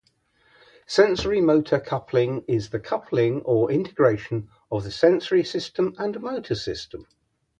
Sensory-motor coupling is the coupling or integration of the sensory system and motor system.